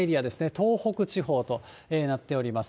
東北地方となっております。